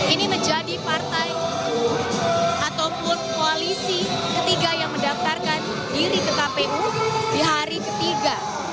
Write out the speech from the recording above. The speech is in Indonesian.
ini menjadi partai ataupun koalisi ketiga yang mendaftarkan diri ke kpu di hari ketiga